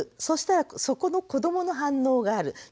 そしたらそこの子どもの反応がある。